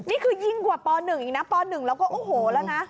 นี่คือยิ่งกว่าป๑อีกนะป๑แล้วก็โอ้โหแล้วนะ